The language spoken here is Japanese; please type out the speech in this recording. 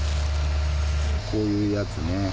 こういうやつね。